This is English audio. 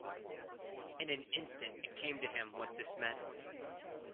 In an instant it came to him what this meant.